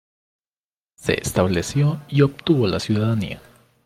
Se estableció y obtuvo la ciudadanía.